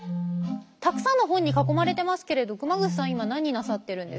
たくさんの本に囲まれてますけれど熊楠さん今何なさってるんですか？